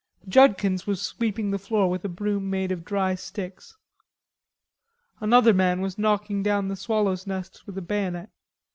Judkins was sweeping the floor with a broom made of dry sticks. Another man was knocking down the swallows' nests with a bayonet.